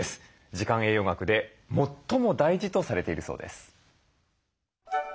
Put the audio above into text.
時間栄養学で最も大事とされているそうです。